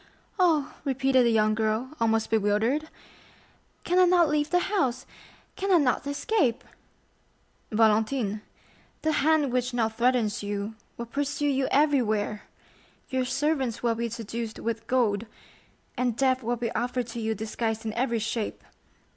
"Oh," repeated the young girl, almost bewildered, "can I not leave the house?—can I not escape?" "Valentine, the hand which now threatens you will pursue you everywhere; your servants will be seduced with gold, and death will be offered to you disguised in every shape.